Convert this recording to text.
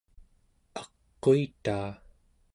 aquitaa